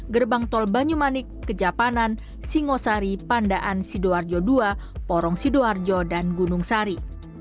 gerbang tol banyumanik kejapanan singosari pandaan sidoarjo ii porong sidoarjo dan gunung sari